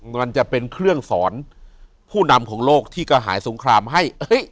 มันจะเป็นเครื่องสอนผู้นำของโลกที่กระหายสงครามให้